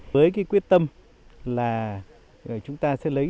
với quyết tâm là chúng ta sẽ lấy